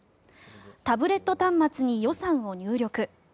タブレット端末に予算を入力。